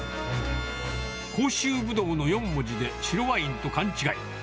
甲州蒲萄の４文字で白ワインと勘違い。